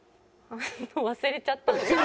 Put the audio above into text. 忘れちゃったんですけど。